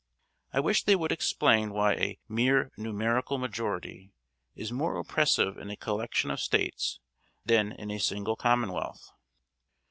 I wish they would explain why a "mere numerical majority" is more oppressive in a collection of States than in a single commonwealth.